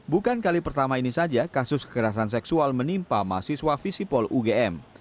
bukan kali pertama ini saja kasus kekerasan seksual menimpa mahasiswa visipol ugm